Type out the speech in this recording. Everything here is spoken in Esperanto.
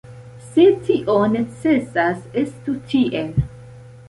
Se tio necesas, estu tiel.